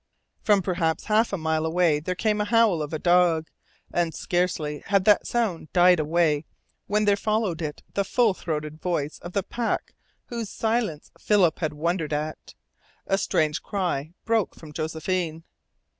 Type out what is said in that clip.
From perhaps half a mile away there came the howl of a dog, and scarcely had that sound died away when there followed it the full throated voice of the pack whose silence Philip had wondered at. A strange cry broke from Josephine.